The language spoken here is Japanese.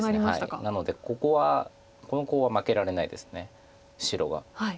なのでここはこのコウは負けられないです白が。